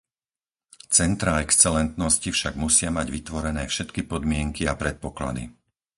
Centrá excelentnosti však musia mať vytvorené všetky podmienky a predpoklady.